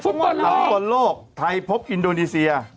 ฟุตบอล๒คนโลกไทยพบอินโดนีเซีย